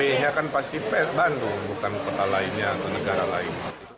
ini kan pasti bandung bukan kota lainnya atau negara lain